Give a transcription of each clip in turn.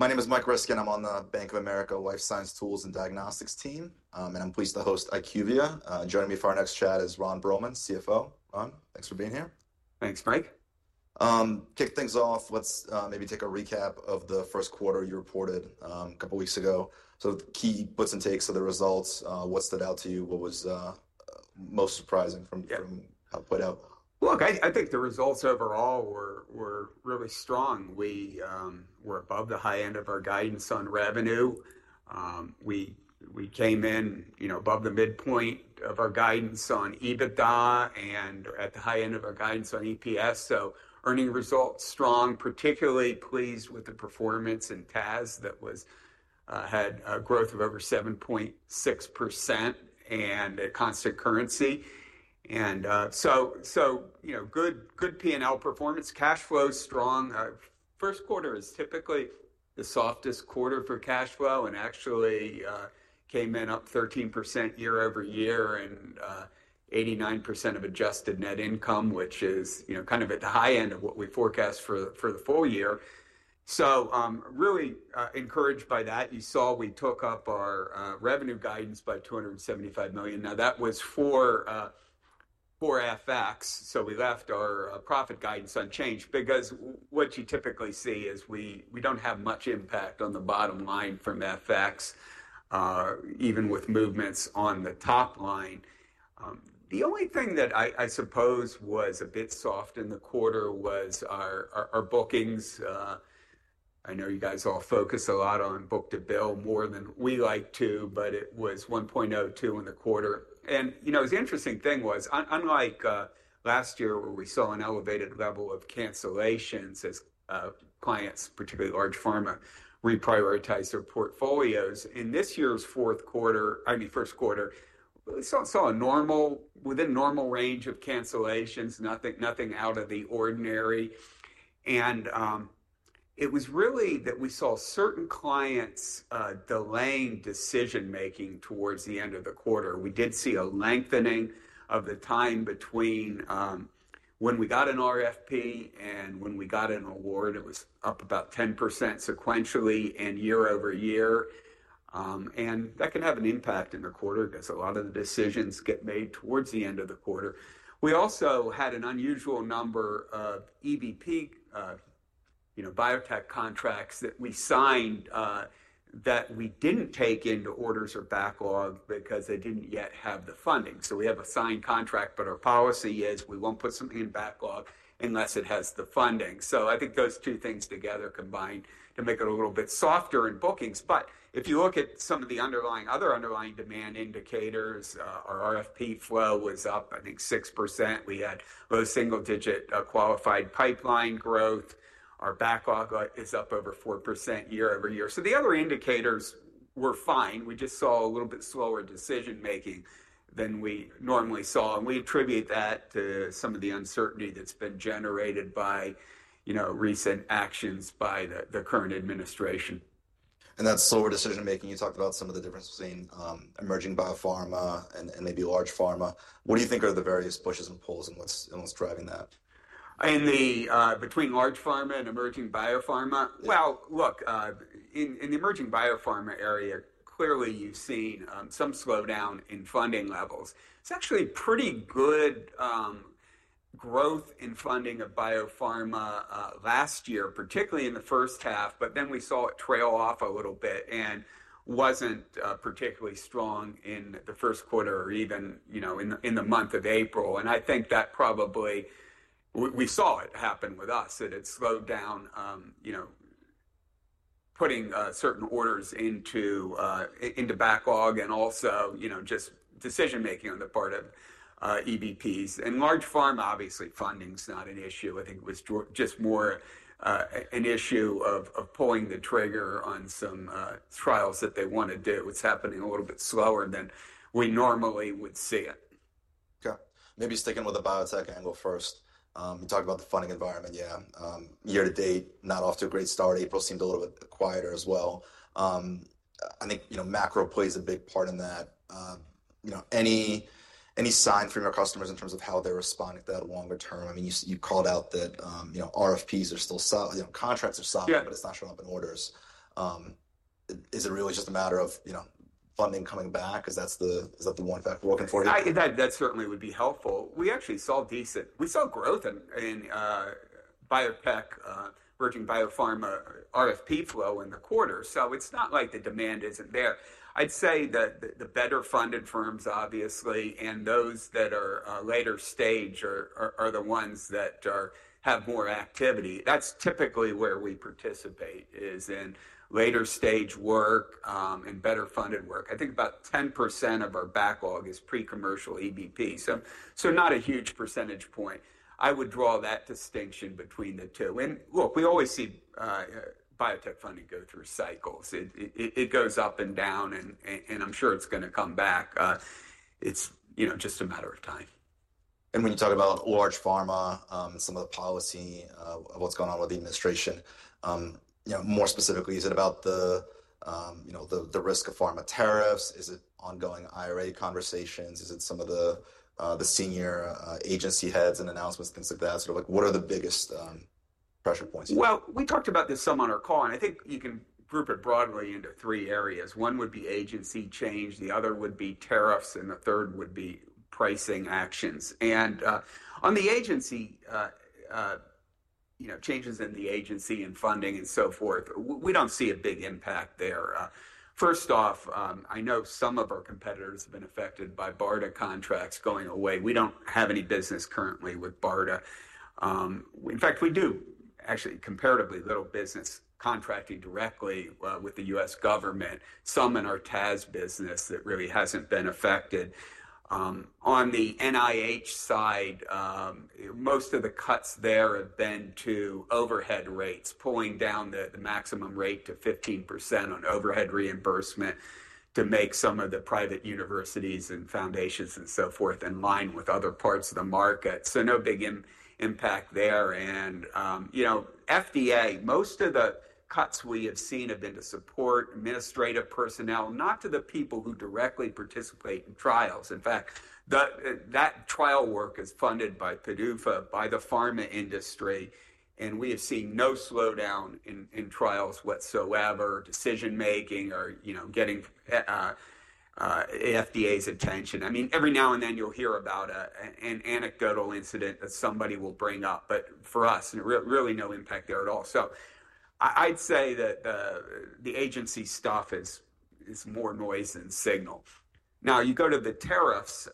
My name is Mike Ryskin. I'm on the Bank of America Life Science Tools and Diagnostics team, and I'm pleased to host IQVIA. Joining me for our next chat is Ron Broman, CFO. Ron, thanks for being here. Thanks, Mike. Kick things off, let's maybe take a recap of the first quarter you reported a couple of weeks ago. Key puts and takes of the results, what stood out to you? What was most surprising from how it played out? Look, I think the results overall were really strong. We were above the high end of our guidance on revenue. We came in above the midpoint of our guidance on EBITDA and at the high end of our guidance on EPS. So earning results strong, particularly pleased with the performance in TAS that had a growth of over 7.6% in constant currency. And so good P&L performance, cash flow strong. First quarter is typically the softest quarter for cash flow and actually came in up 13% year-over-year and 89% of adjusted net income, which is kind of at the high end of what we forecast for the full year. So really encouraged by that. You saw we took up our revenue guidance by $275 million. Now, that was for FX. We left our profit guidance unchanged because what you typically see is we do not have much impact on the bottom line from FX, even with movements on the top line. The only thing that I suppose was a bit soft in the quarter was our bookings. I know you guys all focus a lot on book to bill more than we like to, but it was 1.02 in the quarter. You know the interesting thing was, unlike last year where we saw an elevated level of cancellations as clients, particularly large pharma, reprioritized their portfolios. In this year's fourth quarter, I mean first quarter, we saw a normal, within normal range of cancellations, nothing out of the ordinary. It was really that we saw certain clients delaying decision-making towards the end of the quarter. We did see a lengthening of the time between when we got an RFP and when we got an award. It was up about 10% sequentially and year-over-year. That can have an impact in the quarter because a lot of the decisions get made towards the end of the quarter. We also had an unusual number of EBP, biotech contracts that we signed that we did not take into orders or backlog because they did not yet have the funding. We have a signed contract, but our policy is we will not put something in backlog unless it has the funding. I think those two things together combined to make it a little bit softer in bookings. If you look at some of the other underlying demand indicators, our RFP flow was up, I think, 6%. We had low single-digit qualified pipeline growth. Our backlog is up over 4% year-over-year. The other indicators were fine. We just saw a little bit slower decision-making than we normally saw. We attribute that to some of the uncertainty that's been generated by recent actions by the current administration. That slower decision-making, you talked about some of the difference between emerging biopharma and maybe large pharma. What do you think are the various pushes and pulls and what is driving that? In the between large pharma and emerging biopharma? In the emerging biopharma area, clearly you've seen some slowdown in funding levels. It's actually pretty good growth in funding of biopharma last year, particularly in the first half, but then we saw it trail off a little bit and it was not particularly strong in the first quarter or even in the month of April. I think that probably we saw it happen with us, that it slowed down putting certain orders into backlog and also just decision-making on the part of EBPs. In large pharma, obviously, funding's not an issue. I think it was just more an issue of pulling the trigger on some trials that they want to do. It's happening a little bit slower than we normally would see it. Okay. Maybe sticking with the biotech angle first. You talked about the funding environment, yeah. Year to date, not off to a great start. April seemed a little bit quieter as well. I think macro plays a big part in that. Any sign from your customers in terms of how they're responding to that longer term? I mean, you called out that RFPs are still, contracts are solid, but it's not showing up in orders. Is it really just a matter of funding coming back? Is that the one factor we're looking for here? That certainly would be helpful. We actually saw decent, we saw growth in biotech, emerging biopharma RFP flow in the quarter. It is not like the demand is not there. I would say the better funded firms, obviously, and those that are later stage are the ones that have more activity. That is typically where we participate is in later stage work and better funded work. I think about 10% of our backlog is pre-commercial EBP. Not a huge percentage point. I would draw that distinction between the two. Look, we always see biotech funding go through cycles. It goes up and down, and I am sure it is going to come back. It is just a matter of time. When you talk about large pharma, some of the policy of what's going on with the administration, more specifically, is it about the risk of pharma tariffs? Is it ongoing IRA conversations? Is it some of the senior agency heads and announcements and things like that? What are the biggest pressure points? We talked about this some on our call, and I think you can group it broadly into three areas. One would be agency change. The other would be tariffs, and the third would be pricing actions. On the agency, changes in the agency and funding and so forth, we do not see a big impact there. First off, I know some of our competitors have been affected by BARDA contracts going away. We do not have any business currently with BARDA. In fact, we do actually comparatively little business contracting directly with the U.S. government, some in our TAS business that really has not been affected. On the NIH side, most of the cuts there have been to overhead rates, pulling down the maximum rate to 15% on overhead reimbursement to make some of the private universities and foundations and so forth in line with other parts of the market. No big impact there. FDA, most of the cuts we have seen have been to support administrative personnel, not to the people who directly participate in trials. In fact, that trial work is funded by PDUFA, by the pharma industry, and we have seen no slowdown in trials whatsoever, decision-making or getting FDA's attention. I mean, every now and then you'll hear about an anecdotal incident that somebody will bring up, but for us, really no impact there at all. I'd say that the agency stuff is more noise than signal. Now, you go to the tariffs,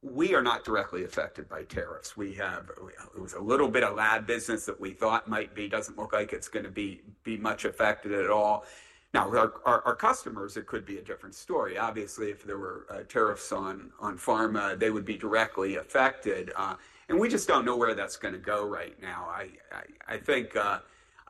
we are not directly affected by tariffs. It was a little bit of lab business that we thought might be, does not look like it's going to be much affected at all. With our customers, it could be a different story. Obviously, if there were tariffs on pharma, they would be directly affected. We just do not know where that is going to go right now. I think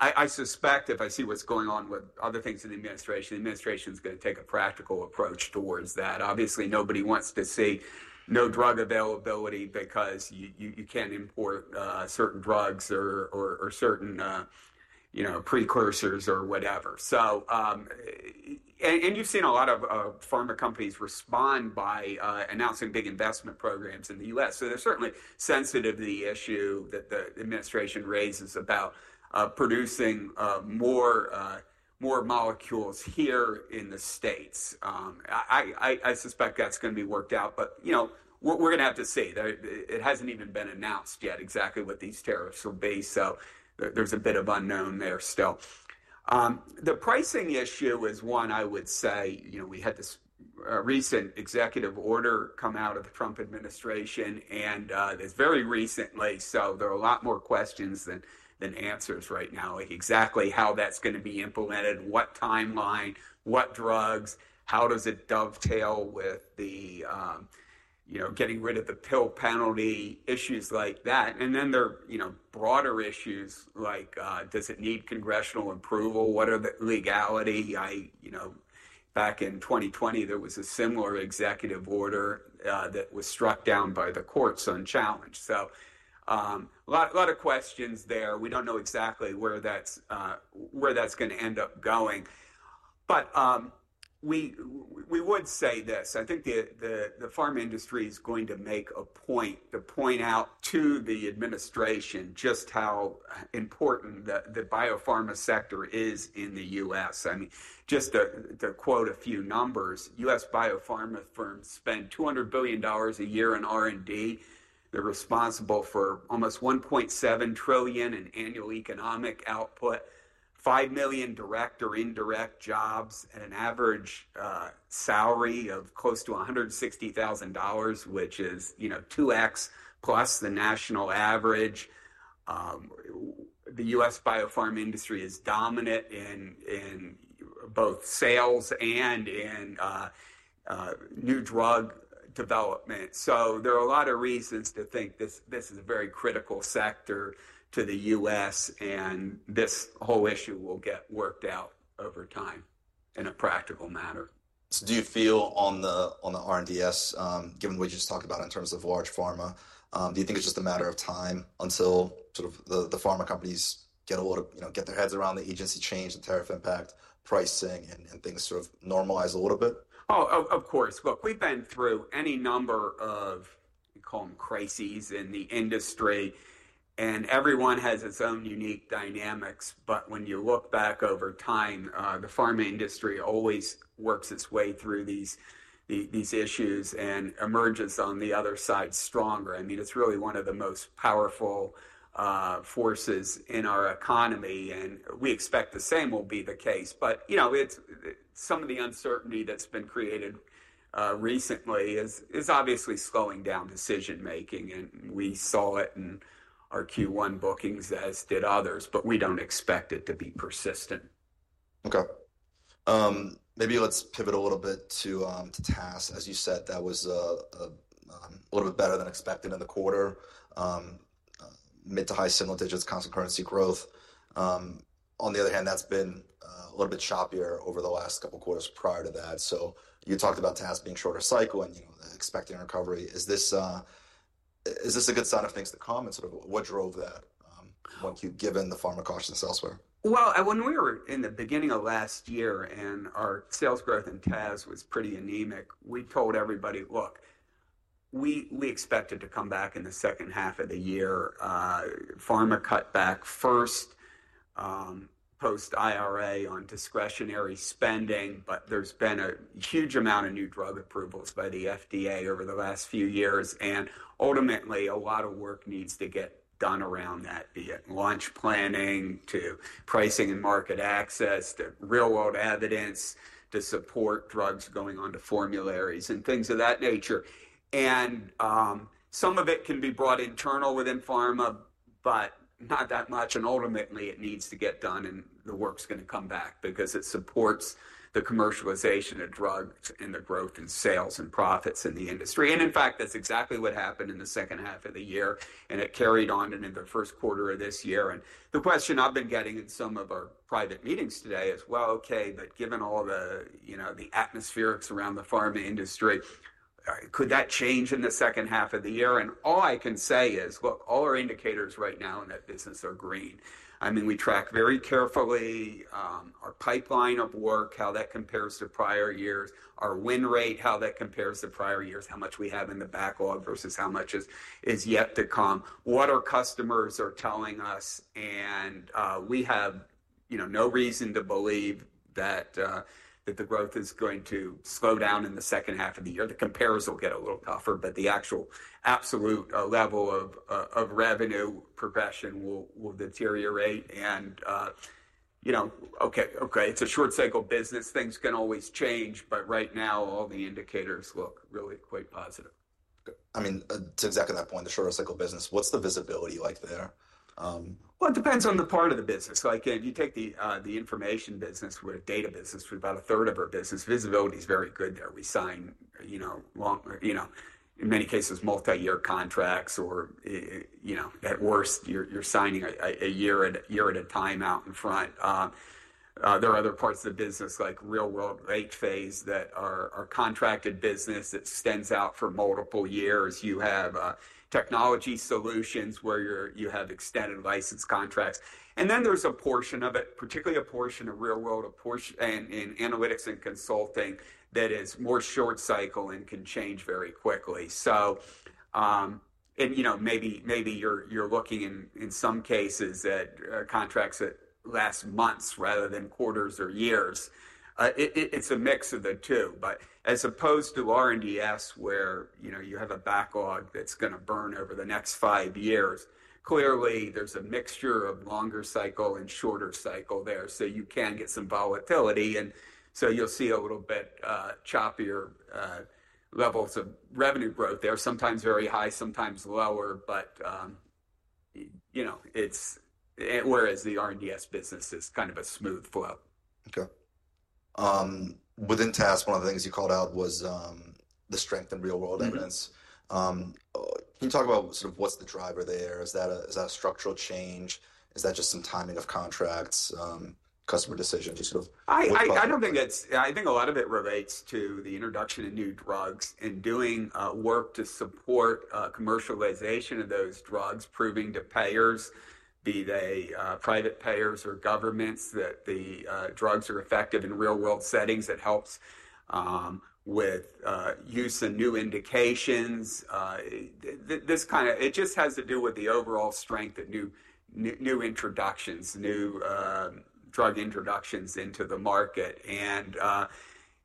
I suspect if I see what is going on with other things in the administration, the administration is going to take a practical approach towards that. Obviously, nobody wants to see no drug availability because you cannot import certain drugs or certain precursors or whatever. You have seen a lot of pharma companies respond by announcing big investment programs in the U.S. They are certainly sensitive to the issue that the administration raises about producing more molecules here in the States. I suspect that is going to be worked out, but we are going to have to see. It has not even been announced yet exactly what these tariffs will be. There is a bit of unknown there still. The pricing issue is one, I would say. We had this recent executive order come out of the Trump administration, and it's very recently. There are a lot more questions than answers right now, like exactly how that's going to be implemented, what timeline, what drugs, how does it dovetail with the getting rid of the pill penalty issues like that. There are broader issues like, does it need congressional approval? What are the legality? Back in 2020, there was a similar executive order that was struck down by the courts unchallenged. A lot of questions there. We don't know exactly where that's going to end up going. We would say this. I think the pharma industry is going to make a point to point out to the administration just how important the biopharma sector is in the U.S. I mean, just to quote a few numbers, U.S. biopharma firms spend $200 billion a year in R&D. They're responsible for almost $1.7 trillion in annual economic output, 5 million direct or indirect jobs, and an average salary of close to $160,000, which is 2x plus the national average. The U.S. biopharma industry is dominant in both sales and in new drug development. There are a lot of reasons to think this is a very critical sector to the U.S., and this whole issue will get worked out over time in a practical manner. Do you feel on the R&DS, given what you just talked about in terms of large pharma, do you think it's just a matter of time until sort of the pharma companies get a lot of, get their heads around the agency change, the tariff impact, pricing, and things sort of normalize a little bit? Oh, of course. Look, we've been through any number of, we call them crises in the industry, and every one has its own unique dynamics. I mean, when you look back over time, the pharma industry always works its way through these issues and emerges on the other side stronger. It's really one of the most powerful forces in our economy, and we expect the same will be the case. Some of the uncertainty that's been created recently is obviously slowing down decision-making. We saw it in our Q1 bookings as did others, but we don't expect it to be persistent. Okay. Maybe let's pivot a little bit to TAS. As you said, that was a little bit better than expected in the quarter, mid to high single-digits, constant currency growth. On the other hand, that's been a little bit choppier over the last couple of quarters prior to that. You talked about TAS being shorter cycle and expecting a recovery. Is this a good sign of things to come? And sort of what drove that, given the pharma cautions elsewhere? When we were in the beginning of last year and our sales growth in TAS was pretty anemic, we told everybody, look, we expect it to come back in the second half of the year. Pharma cut back first post-IRA on discretionary spending, but there's been a huge amount of new drug approvals by the FDA over the last few years. Ultimately, a lot of work needs to get done around that, be it launch planning to pricing and market access to real-world evidence to support drugs going on to formularies and things of that nature. Some of it can be brought internal within pharma, but not that much. Ultimately, it needs to get done and the work's going to come back because it supports the commercialization of drugs and the growth in sales and profits in the industry. In fact, that's exactly what happened in the second half of the year. It carried on into the first quarter of this year. The question I've been getting in some of our private meetings today is, okay, but given all the atmospherics around the pharma industry, could that change in the second half of the year? All I can say is, look, all our indicators right now in that business are green. I mean, we track very carefully our pipeline of work, how that compares to prior years, our win rate, how that compares to prior years, how much we have in the backlog versus how much is yet to come, what our customers are telling us. We have no reason to believe that the growth is going to slow down in the second half of the year. The comparison will get a little tougher, but the actual absolute level of revenue progression will deteriorate. Okay, okay, it's a short-cycle business. Things can always change, but right now, all the indicators look really quite positive. I mean, to exactly that point, the shorter-cycle business, what's the visibility like there? It depends on the part of the business. If you take the information business, we're a data business. We're about a third of our business. Visibility is very good there. We sign, in many cases, multi-year contracts or at worst, you're signing a year at a time out in front. There are other parts of the business like real-world late phase that are contracted business that stands out for multiple years. You have technology solutions where you have extended license contracts. Then there's a portion of it, particularly a portion of real-world and analytics and consulting that is more short-cycle and can change very quickly. Maybe you're looking in some cases at contracts that last months rather than quarters or years. It's a mix of the two. As opposed to R&DS, where you have a backlog that's going to burn over the next five years, clearly there's a mixture of longer cycle and shorter cycle there. You can get some volatility. You'll see a little bit choppier levels of revenue growth there, sometimes very high, sometimes lower, whereas the R&DS business is kind of a smooth flow. Okay. Within TAS, one of the things you called out was the strength in real-world evidence. Can you talk about sort of what's the driver there? Is that a structural change? Is that just some timing of contracts, customer decisions? I don't think it's, I think a lot of it relates to the introduction of new drugs and doing work to support commercialization of those drugs, proving to payers, be they private payers or governments, that the drugs are effective in real-world settings. It helps with use of new indications. This kind of, it just has to do with the overall strength of new introductions, new drug introductions into the market.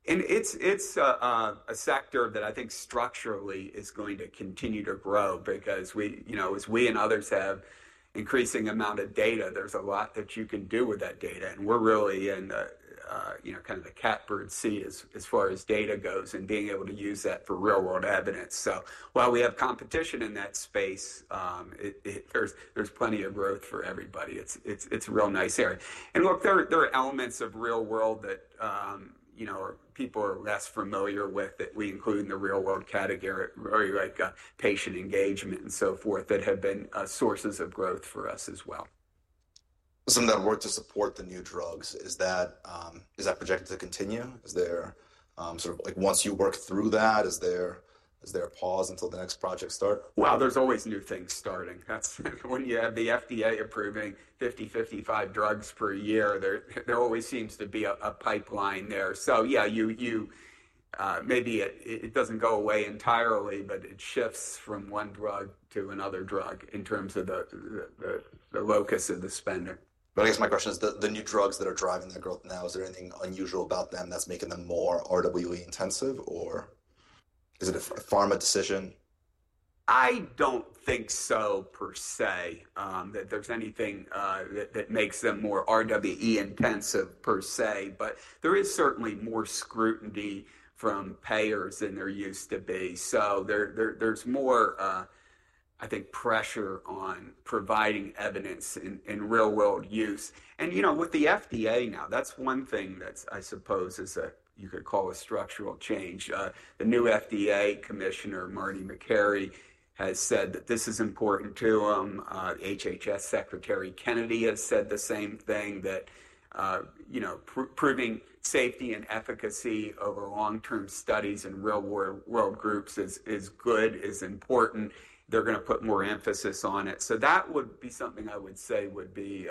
It's a sector that I think structurally is going to continue to grow because as we and others have increasing amount of data, there's a lot that you can do with that data. We're really in kind of the catbird seat as far as data goes and being able to use that for real-world evidence. While we have competition in that space, there's plenty of growth for everybody. It's a real nice area. Look, there are elements of real-world that people are less familiar with that we include in the real-world category, like patient engagement and so forth, that have been sources of growth for us as well. That work to support the new drugs, is that projected to continue? Is there sort of like once you work through that, is there a pause until the next project start? There is always new things starting. When you have the FDA approving 50-55 drugs per year, there always seems to be a pipeline there. Yeah, maybe it does not go away entirely, but it shifts from one drug to another drug in terms of the locus of the spending. I guess my question is, the new drugs that are driving that growth now, is there anything unusual about them that's making them more RWE intensive, or is it a pharma decision? I don't think so per se, that there's anything that makes them more RWE intensive per se, but there is certainly more scrutiny from payers than there used to be. There is more, I think, pressure on providing evidence in real-world use. With the FDA now, that's one thing that I suppose is a, you could call a structural change. The new FDA Commissioner, Marty Makary, has said that this is important to him. HHS Secretary Robert F. Kennedy Jr. has said the same thing, that proving safety and efficacy over long-term studies in real-world groups is good, is important. They're going to put more emphasis on it. That would be something I would say would be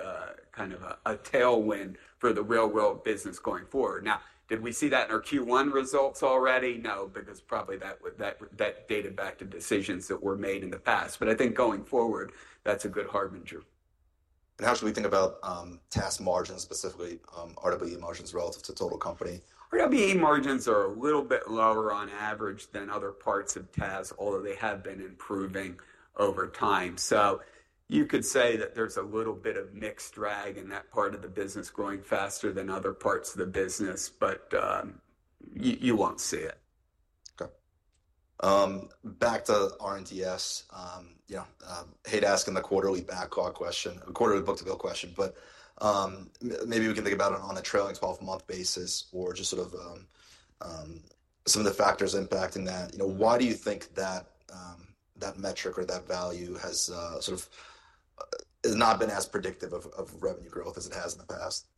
kind of a tailwind for the real-world business going forward. Now, did we see that in our Q1 results already? No, because probably that dated back to decisions that were made in the past. I think going forward, that's a good harbinger. How should we think about TAS margins, specifically RWE margins relative to total company? RWE margins are a little bit lower on average than other parts of TAS, although they have been improving over time. You could say that there is a little bit of mixed drag in that part of the business growing faster than other parts of the business, but you will not see it. Okay. Back to R&DS. Hate asking the quarterly backlog question, quarterly book to bill question, but maybe we can think about it on a trailing 12-month basis or just sort of some of the factors impacting that. Why do you think that metric or that value has sort of not been as predictive of revenue growth as it has in the past?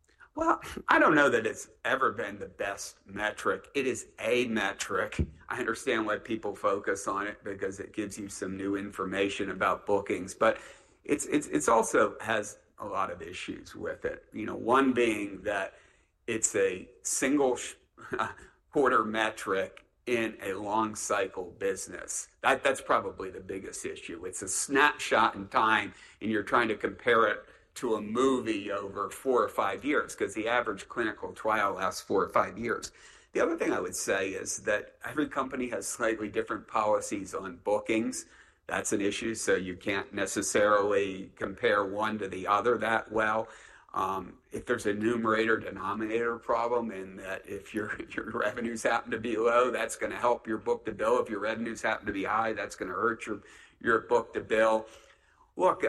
I don't know that it's ever been the best metric. It is a metric. I understand why people focus on it because it gives you some new information about bookings. It also has a lot of issues with it. One being that it's a single-quarter metric in a long-cycle business. That's probably the biggest issue. It's a snapshot in time, and you're trying to compare it to a movie over four or five years because the average clinical trial lasts four or five years. The other thing I would say is that every company has slightly different policies on bookings. That's an issue. You can't necessarily compare one to the other that well. If there's a numerator-denominator problem in that if your revenues happen to be low, that's going to help your book to bill. If your revenues happen to be high, that's going to hurt your book to bill. Look,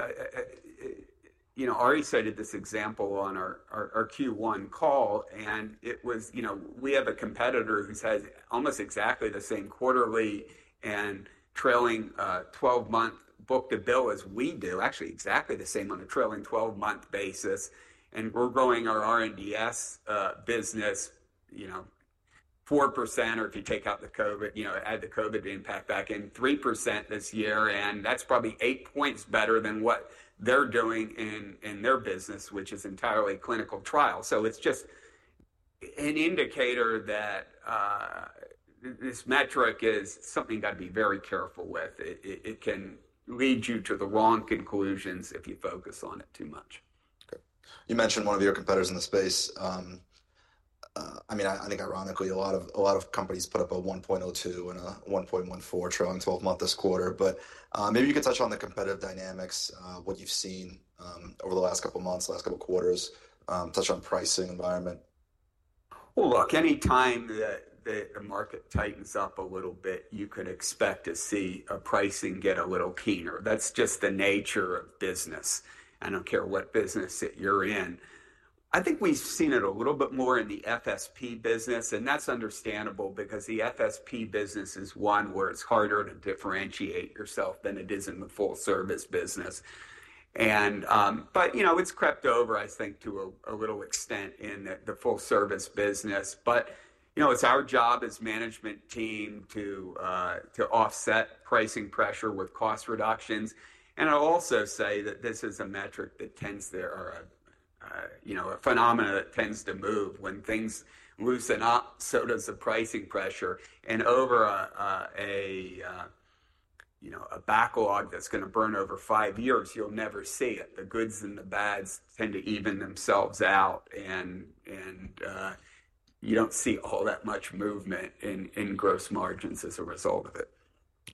Ari cited this example on our Q1 call, and it was we have a competitor who has almost exactly the same quarterly and trailing 12-month book to bill as we do, actually exactly the same on a trailing 12-month basis. And we're growing our R&DS business 4%, or if you take out the COVID, add the COVID impact back in, 3% this year. And that's probably eight points better than what they're doing in their business, which is entirely clinical trial. So it's just an indicator that this metric is something you got to be very careful with. It can lead you to the wrong conclusions if you focus on it too much. Okay. You mentioned one of your competitors in the space. I mean, I think ironically, a lot of companies put up a 1.02 and a 1.14 trailing 12-month this quarter. Maybe you could touch on the competitive dynamics, what you've seen over the last couple of months, last couple of quarters, touch on pricing environment. Look, any time that the market tightens up a little bit, you could expect to see pricing get a little keener. That is just the nature of business. I do not care what business that you are in. I think we have seen it a little bit more in the FSP business, and that is understandable because the FSP business is one where it is harder to differentiate yourself than it is in the full-service business. It has crept over, I think, to a little extent in the full-service business. It is our job as management team to offset pricing pressure with cost reductions. I will also say that this is a metric that tends to, or a phenomenon that tends to move. When things loosen up, so does the pricing pressure. Over a backlog that is going to burn over five years, you will never see it. The goods and the bads tend to even themselves out, and you do not see all that much movement in gross margins as a result of it.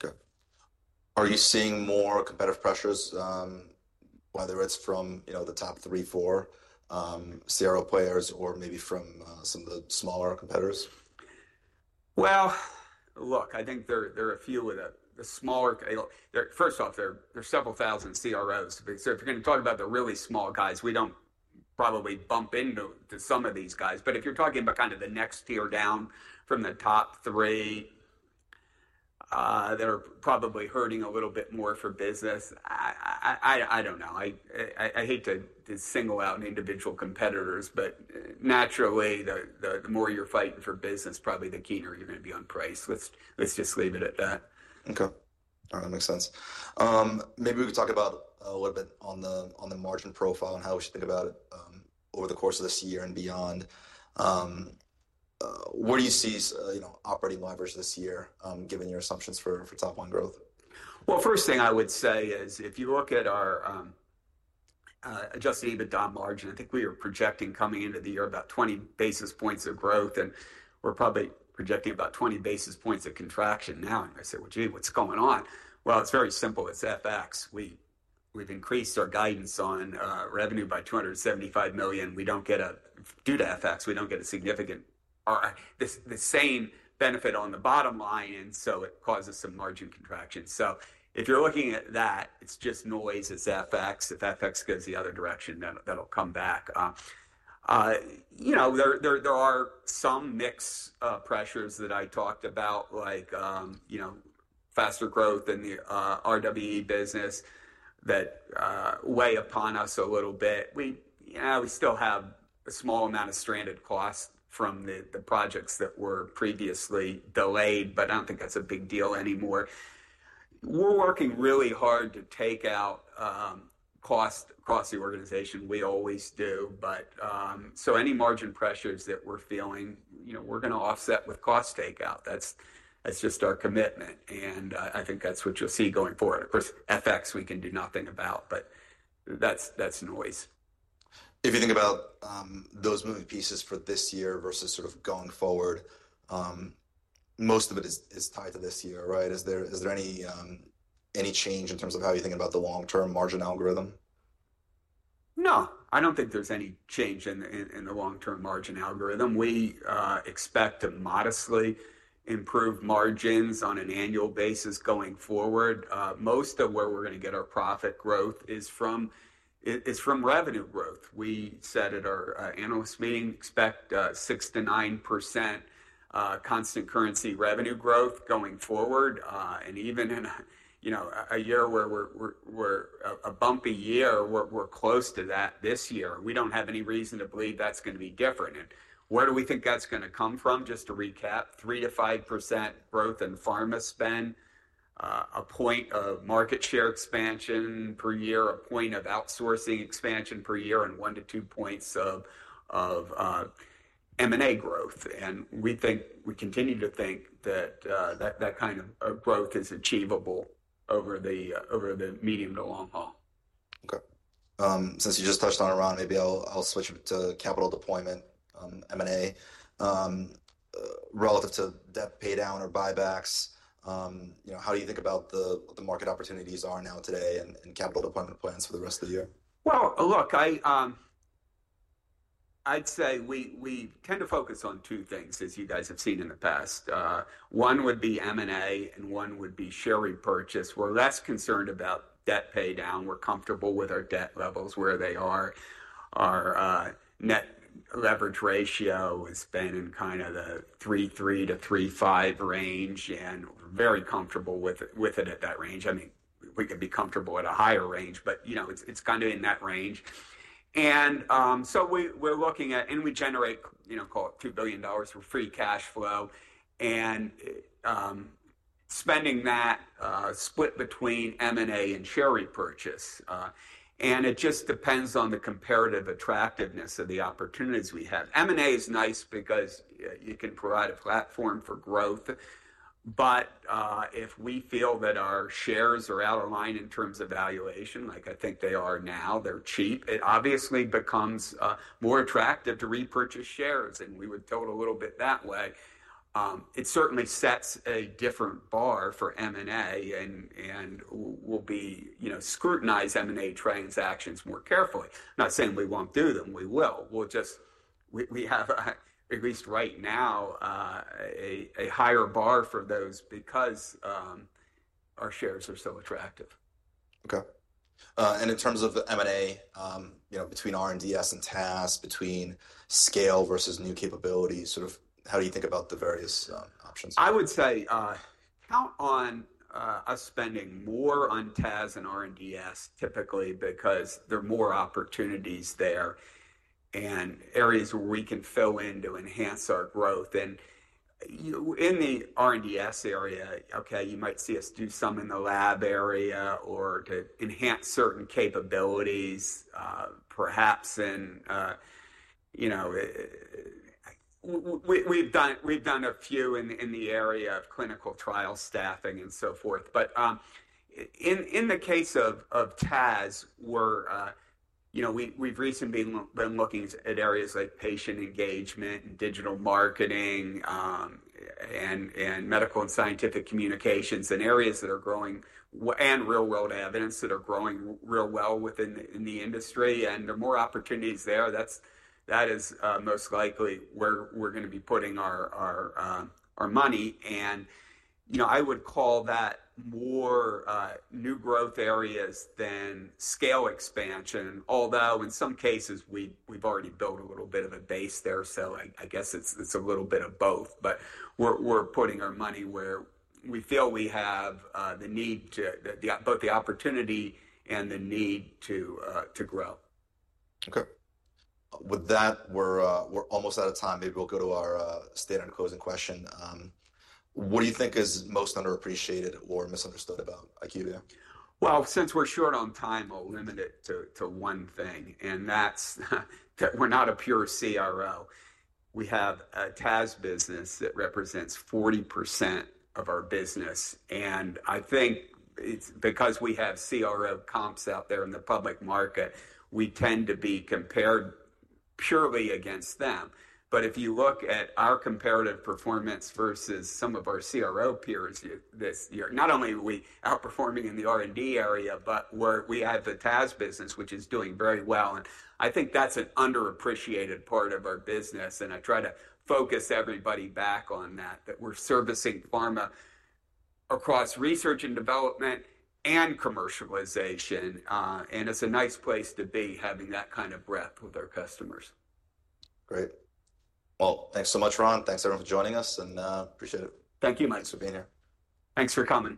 Okay. Are you seeing more competitive pressures, whether it's from the top three, four CRO players or maybe from some of the smaller competitors? I think there are a few with the smaller. First off, there are several thousand CROs. If you're going to talk about the really small guys, we don't probably bump into some of these guys. If you're talking about kind of the next tier down from the top three, they're probably hurting a little bit more for business. I don't know. I hate to single out individual competitors, but naturally, the more you're fighting for business, probably the keener you're going to be on price. Let's just leave it at that. Okay. That makes sense. Maybe we could talk about a little bit on the margin profile and how we should think about it over the course of this year and beyond. Where do you see operating leverage this year, given your assumptions for top-line growth? If you look at our adjusted EBITDA margin, I think we are projecting coming into the year about 20 basis points of growth, and we're probably projecting about 20 basis points of contraction now. I say, "Well, gee, what's going on?" It is very simple. It is FX. We've increased our guidance on revenue by $275 million. We do not get a, due to FX, we do not get a significant or the same benefit on the bottom line, and it causes some margin contraction. If you are looking at that, it is just noise as FX. If FX goes the other direction, that will come back. There are some mixed pressures that I talked about, like faster growth in the RWE business that weigh upon us a little bit. We still have a small amount of stranded costs from the projects that were previously delayed, but I don't think that's a big deal anymore. We're working really hard to take out costs across the organization. We always do. Any margin pressures that we're feeling, we're going to offset with cost takeout. That's just our commitment. I think that's what you'll see going forward. Of course, FX, we can do nothing about, but that's noise. If you think about those moving pieces for this year versus sort of going forward, most of it is tied to this year, right? Is there any change in terms of how you think about the long-term margin algorithm? No. I don't think there's any change in the long-term margin algorithm. We expect to modestly improve margins on an annual basis going forward. Most of where we're going to get our profit growth is from revenue growth. We said at our analyst meeting, expect 6-9% constant currency revenue growth going forward. Even in a year where we're a bumpy year, we're close to that this year. We don't have any reason to believe that's going to be different. Where do we think that's going to come from? Just to recap, 3-5% growth in pharma spend, a point of market share expansion per year, a point of outsourcing expansion per year, and one to two points of M&A growth. We continue to think that that kind of growth is achievable over the medium to long haul. Okay. Since you just touched on it, Ron, maybe I'll switch to capital deployment, M&A, relative to debt paydown or buybacks. How do you think about the market opportunities are now today and capital deployment plans for the rest of the year? Look, I'd say we tend to focus on two things, as you guys have seen in the past. One would be M&A, and one would be share repurchase. We're less concerned about debt paydown. We're comfortable with our debt levels where they are. Our net leverage ratio has been in kind of the 3.3-3.5 range, and we're very comfortable with it at that range. I mean, we could be comfortable at a higher range, but it's kind of in that range. We're looking at, and we generate, call it $2 billion of free cash flow, and spending that split between M&A and share repurchase. It just depends on the comparative attractiveness of the opportunities we have. M&A is nice because you can provide a platform for growth. If we feel that our shares are out of line in terms of valuation, like I think they are now, they're cheap, it obviously becomes more attractive to repurchase shares. We would tilt a little bit that way. It certainly sets a different bar for M&A and will scrutinize M&A transactions more carefully. Not saying we won't do them. We will. We have at least right now a higher bar for those because our shares are so attractive. Okay. In terms of M&A, between R&DS and TAS, between scale versus new capabilities, sort of how do you think about the various options? I would say count on us spending more on TAS and R&DS typically because there are more opportunities there and areas where we can fill in to enhance our growth. In the R&DS area, you might see us do some in the lab area or to enhance certain capabilities, perhaps in we've done a few in the area of clinical trial staffing and so forth. In the case of TAS, we've recently been looking at areas like patient engagement and digital marketing and medical and scientific communications and areas that are growing and real-world evidence that are growing real well within the industry. There are more opportunities there. That is most likely where we're going to be putting our money. I would call that more new growth areas than scale expansion, although in some cases, we've already built a little bit of a base there. I guess it's a little bit of both. But we're putting our money where we feel we have the need to both the opportunity and the need to grow. Okay. With that, we're almost out of time. Maybe we'll go to our standing closing question. What do you think is most underappreciated or misunderstood about IQVIA? Since we're short on time, I'll limit it to one thing. That's that we're not a pure CRO. We have a TAS business that represents 40% of our business. I think because we have CRO comps out there in the public market, we tend to be compared purely against them. If you look at our comparative performance versus some of our CRO peers this year, not only are we outperforming in the R&D area, but we have the TAS business, which is doing very well. I think that's an underappreciated part of our business. I try to focus everybody back on that, that we're servicing pharma across research and development and commercialization. It's a nice place to be having that kind of breadth with our customers. Great. Thanks so much, Ron. Thanks everyone for joining us, and appreciate it. Thank you, Mike. Thanks for being here. Thanks for coming.